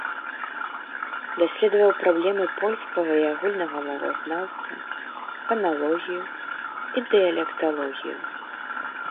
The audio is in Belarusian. Даследаваў праблемы польскага і агульнага мовазнаўства, фаналогію і дыялекталогію.